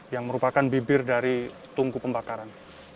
yang merupakan bibir dari tungku pembakaran